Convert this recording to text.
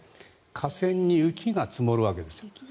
架線に雪が積もるわけです。